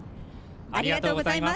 ありがとうございます。